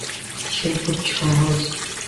সে খুব সহজ।